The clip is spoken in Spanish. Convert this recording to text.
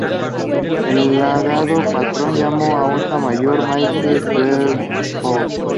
Halagado, Paton llamó a hija mayor Myrtle Beaufort.